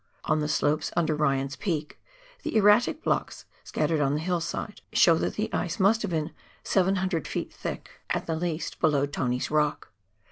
On the slopes under Ryan's Peak, the erratic blocks scattered on the hillside show that the ice must have been 700 ft. thick at the least below Tony's Rock.